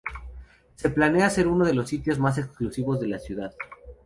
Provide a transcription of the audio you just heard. Se planea ser uno de los sitios más exclusivos de la ciudad.